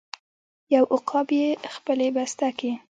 یو عقاب یې خپلې بسته کې